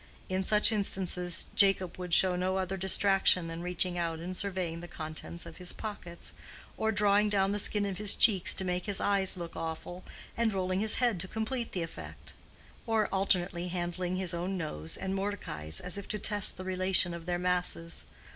In such instances, Jacob would show no other distraction than reaching out and surveying the contents of his pockets; or drawing down the skin of his cheeks to make his eyes look awful, and rolling his head to complete the effect; or alternately handling his own nose and Mordecai's as if to test the relation of their masses.